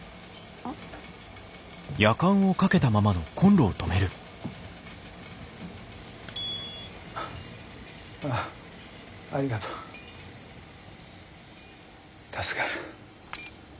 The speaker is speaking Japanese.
ああありがとう助かる。